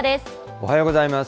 おはようございます。